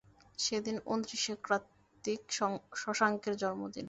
সেদিন উনত্রিশে কার্তিক, শশাঙ্কের জন্মদিন।